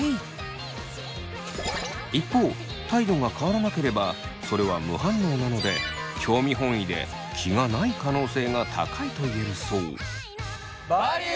一方態度が変わらなければそれは無反応なので興味本位で気がない可能性が高いといえるそう。